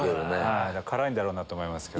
辛いんだろうなと思いますけど。